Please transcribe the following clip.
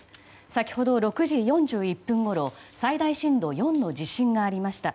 先ほど６時４１分ごろ最大震度４の地震がありました。